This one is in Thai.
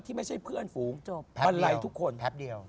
ที่ไม่ใช่เพื่อนฝูงบรรไลทุกคนแพปเดียว